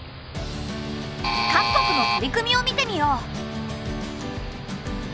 各国の取り組みを見てみよう。